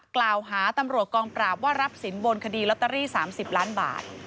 กล่าวหาตำรวจกองปราบว่ารับสินบนคดีลอตเตอรี่๓๐ล้านบาท